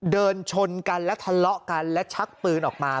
เดินชนกันและทะเลาะกันและชักปืนออกมา